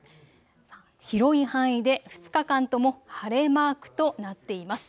広い範囲で２日間とも晴れマークとなっています。